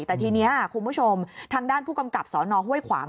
แต่ทีนี้คุณผู้ชมทางด้านผู้กำกับสนห้วยขวาง